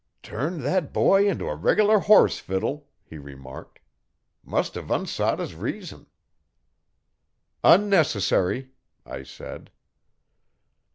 'Turned that boy into a reg'lar horse fiddle,' he remarked. 'Must 'ave unsot his reason.' 'Unnecessary!' I said.